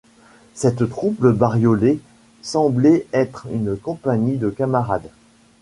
Cette troupe bariolée semblait être une compagnie de camarades